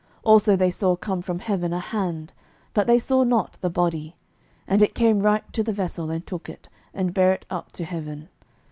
Also they saw come from heaven a hand, but they saw not the body; and it came right to the vessel, and took it, and bare it up to heaven.